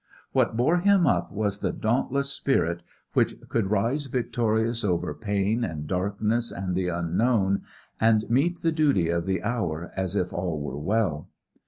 What bore him up was the dauntless spirit which could rise victorious over pain and darkness and the unknown and meet the duty of the hour as if all were well.